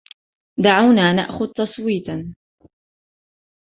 دعونا نأخذ تصويت.